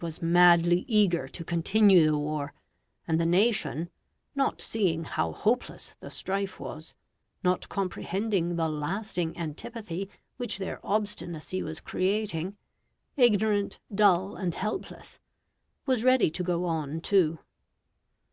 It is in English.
was madly eager to continue the war, and the nation not seeing how hopeless the strife was, not comprehending the lasting antipathy which their obstinacy was creating ignorant, dull and helpless was ready to go on too.